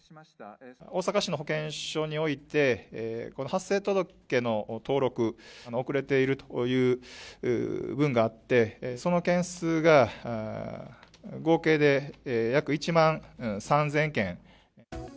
大阪市の保健所において、発生届の登録、遅れているという分があって、その件数が合計で約１万３０００件。